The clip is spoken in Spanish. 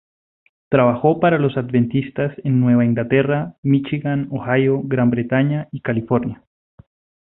Trabajó para los adventistas en Nueva Inglaterra, Míchigan, Ohio, Gran Bretaña, y California.